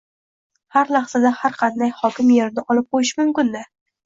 har lahzada har qanday hokim yerini olib qo‘yishi mumkin-da...